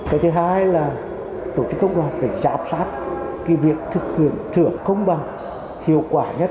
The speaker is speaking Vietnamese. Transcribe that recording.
cái thứ hai là tổ chức công đoàn phải giám sát việc thực hiện trưởng công bằng hiệu quả nhất